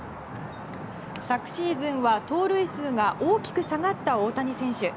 昨シーズンは盗塁数が大きく下がった大谷選手。